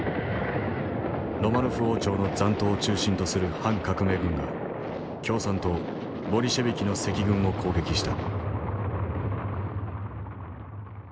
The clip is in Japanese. ロマノフ王朝の残党を中心とする反革命軍が共産党ボリシェビキの赤軍を攻撃した。